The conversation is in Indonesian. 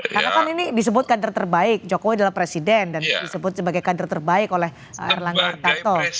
karena kan ini disebut kader terbaik jokowi adalah presiden dan disebut sebagai kader terbaik oleh erlang gartato